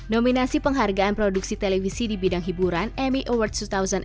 nominasi penghargaan produksi televisi di bidang hiburan emmy awards dua ribu dua puluh dua